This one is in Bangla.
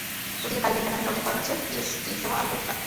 ওদিকে কাঁড়ি কাঁড়ি টাকা নিয়ে দরজায় কড়া নাড়ছে পিএসজিসহ আরও কয়েকটি ক্লাব।